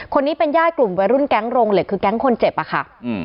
คนนี้เป็นญาติกลุ่มวัยรุ่นแก๊งโรงเหล็กคือแก๊งคนเจ็บอะค่ะ